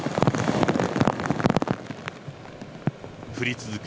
降り続く